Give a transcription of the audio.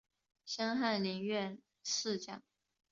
升翰林院侍讲。